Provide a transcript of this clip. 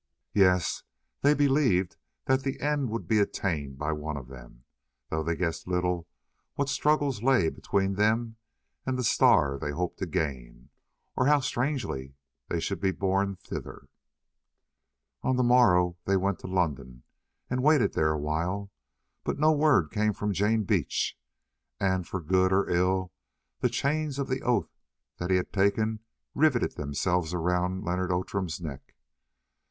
Yes, they believed that the end would be attained by one of them, though they guessed little what struggles lay between them and the Star they hoped to gain, or how strangely they should be borne thither. On the morrow they went to London and waited there a while, but no word came from Jane Beach, and for good or ill the chains of the oath that he had taken riveted themselves around Leonard Outram's neck.